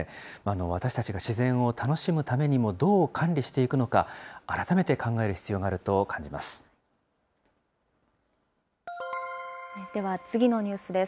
私たちが自然を楽しむためにも、どう管理していくのか、改めて考える必要があると感じます。